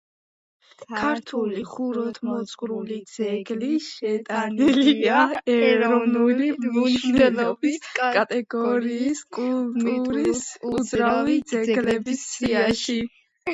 ქართული ხუროთმოძღვრული ძეგლი შეტანილია ეროვნული მნიშვნელობის კატეგორიის კულტურის უძრავი ძეგლების სიაში.